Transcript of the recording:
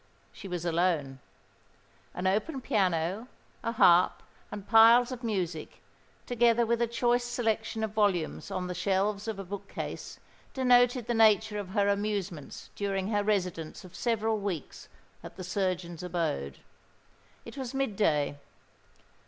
She was alone. An open piano, a harp, and piles of music, together with a choice selection of volumes on the shelves of a book case, denoted the nature of her amusements during her residence of several weeks at the surgeon's abode. It was mid day.